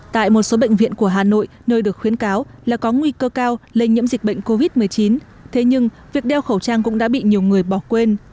tại một số bệnh viện của hà nội nơi được khuyến cáo là có nguy cơ cao lây nhiễm dịch bệnh covid một mươi chín thế nhưng việc đeo khẩu trang cũng đã bị nhiều người bỏ quên